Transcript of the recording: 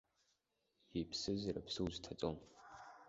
Иԥсыз рыԥсы узҭаҵом.